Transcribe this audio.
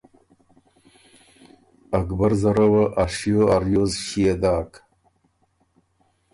اکبر زره وه ا شیو ا ریوز ݭيې داک